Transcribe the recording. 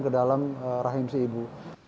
ke dalam rahim si ibu